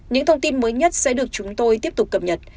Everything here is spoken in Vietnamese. những thông tin mới nhất sẽ được chúng tôi tiếp tục cập nhật